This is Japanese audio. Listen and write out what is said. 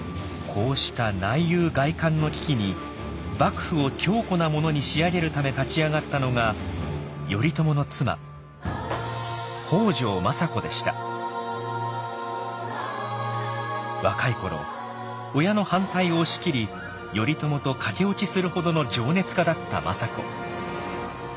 こうした内憂外患の危機に幕府を強固なものに仕上げるため立ち上がったのが若い頃親の反対を押し切り頼朝と駆け落ちするほどの情熱家だった政子。